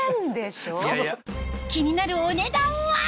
気になるお値段は？